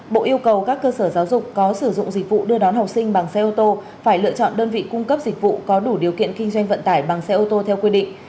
bộ yêu cầu các cơ sở giáo dục có sử dụng dịch vụ đưa đón học sinh bằng xe ô tô phải lựa chọn đơn vị cung cấp dịch vụ có đủ điều kiện kinh doanh vận tải bằng xe ô tô theo quy định